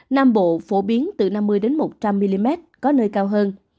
nam bộ phổ biến từ năm mươi một trăm linh mm có nơi cao hơn